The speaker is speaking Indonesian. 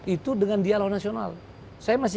itu dengan dialog nasional saya masih